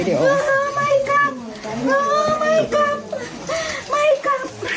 ไม่กลับไม่กลับ